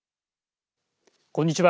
こんにちは。